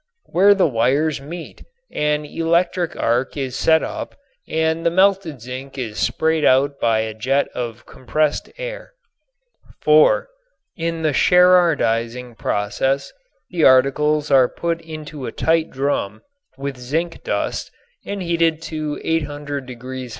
Where the wires meet an electric arc is set up and the melted zinc is sprayed out by a jet of compressed air. (4) In the Sherardizing process the articles are put into a tight drum with zinc dust and heated to 800° F.